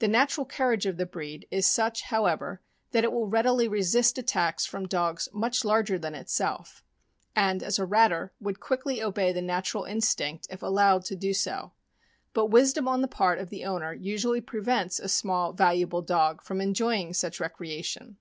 The natural courage of the breed is such, however, that it will readily resist attacks from dogs much larger than itself, and, as a ratter, would quickly obey the natural instinct if allowed to do so; but wisdom on the part of the owner usually prevents a small, valuable dog from enjoying such recreation.